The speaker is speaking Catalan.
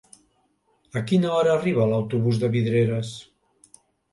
A quina hora arriba l'autobús de Vidreres?